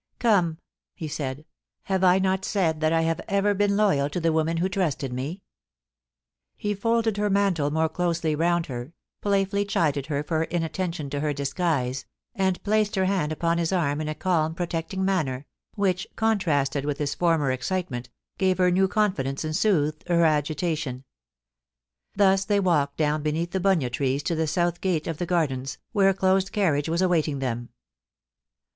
"' Come !' he said ;' have I not said that I have ever been loyal to the women who trusted me 7 He folded her mantle more closely round her, playfully chidcd her for inattention to her disguise, and placed her hand upon his arm in a calm protecting manner, which, con trasted with his former excitement, gave her new confidence and soothed her agitation. Thus they walked down beneath the bunya trees to the south gate of the Gardens, where a closed carriage was awaiting them.